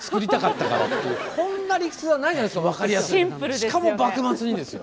しかも幕末にですよ。